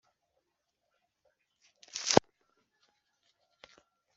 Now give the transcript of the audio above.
Ikigo cyaba kibyemeje ukundi